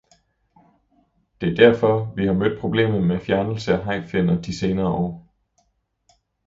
Det er derfor, vi har mødt problemet med fjernelse af hajfinner de senere år.